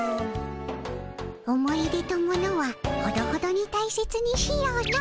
思い出と物はほどほどに大切にしようの。